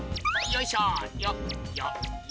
よいしょ！